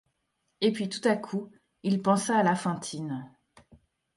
Et puis tout à coup il pensa à la Fantine.